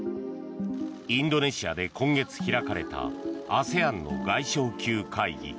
インドネシアで今月開かれたＡＳＥＡＮの外相級会議。